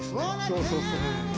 そうそうそう。